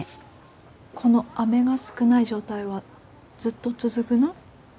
この雨が少ない状態はずっと続ぐの？